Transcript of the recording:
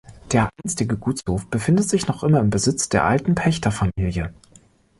Der einstige Gutshof befindet sich noch immer im Besitz der alten Pächterfamilie.